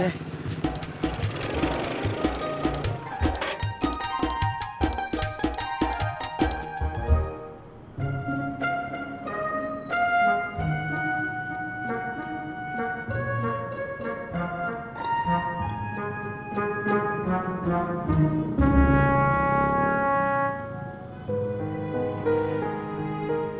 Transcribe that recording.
aduh jangan pake nyapu